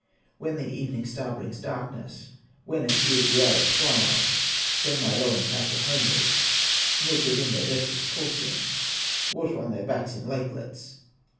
"When the evening star brings darkness, When appears the hour of twilight, Send my lowing cattle homeward, Milk within their vessels coursing, Water on their backs in lakelets.